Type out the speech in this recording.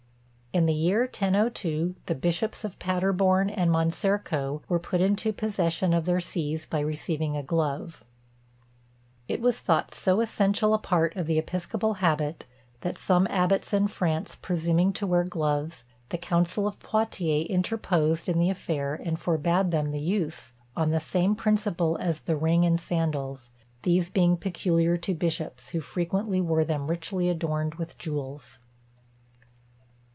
In the year 1002, the bishops of Paderborn and Moncerco were put into possession of their sees by receiving a glove. It was thought so essential a part of the episcopal habit, that some abbots in France presuming to wear gloves, the council of Poitiers interposed in the affair, and forbad them the use, on the same principle as the ring and sandals; these being peculiar to bishops, who frequently wore them richly adorned with jewels.